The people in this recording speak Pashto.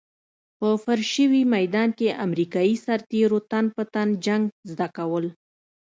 په فرش شوي ميدان کې امريکايي سرتېرو تن په تن جنګ زده کول.